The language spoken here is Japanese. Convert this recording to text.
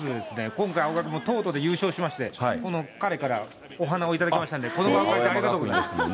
今回、青学も東都で優勝しまして、彼からお花を頂きましたんで、この場を借りてありがとうございます。